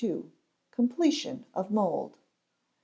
Completion of Mould.